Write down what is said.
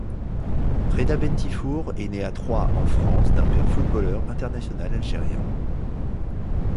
Redha Bentifour est né à Troyes en France d'un père footballeur international algérien.